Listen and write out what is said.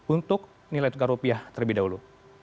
untuk nilai tukar rupiah terlebih dahulu